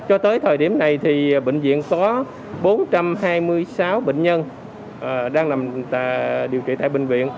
cho tới thời điểm này thì bệnh viện có bốn trăm hai mươi sáu bệnh nhân đang làm điều trị tại bệnh viện